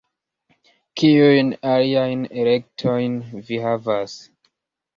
Kiujn aliajn elektojn vi havas?